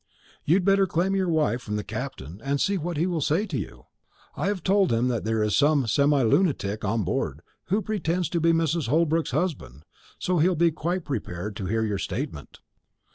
You'd better claim your wife from the captain, and see what he will say to you. I have told him that there's some semi lunatic on board, who pretends to be Mrs. Holbrook's husband; so he'll be quite prepared to hear your statement."